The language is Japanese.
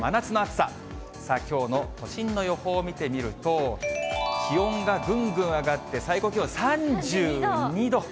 さあ、きょうの都心の予報を見てみると、気温がぐんぐん上がって、最高気温３２度。